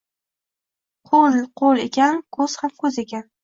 Qo’l — qo’l ekan, ko’z ham ko’z ekan.